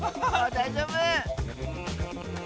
だいじょうぶ！